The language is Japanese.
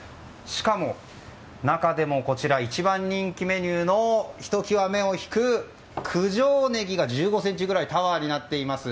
しかも中でも一番人気メニューのひときわ目を引くネギが１５ｃｍぐらいタワーになっています。